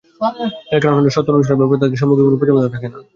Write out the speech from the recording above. এর কারণ হলো—সত্য অনুসরণের ব্যাপারে তাদের সম্মুখে কোন প্রতিবন্ধকতা থাকে না।